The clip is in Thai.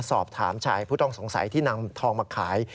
สอบถามชายผู้ต้องสงสัยที่นำทองมาขาย